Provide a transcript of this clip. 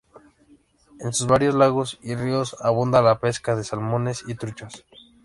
En sus varios lagos y ríos abunda la pesca de salmones y truchas.